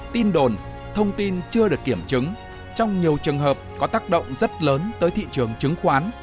tin đồn thông tin chưa được kiểm chứng trong nhiều trường hợp có tác động rất lớn tới thị trường chứng khoán